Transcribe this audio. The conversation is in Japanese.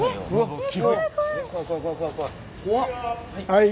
はい。